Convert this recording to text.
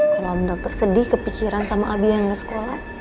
kalau om dokter sedih kepikiran sama abis yang nggak sekolah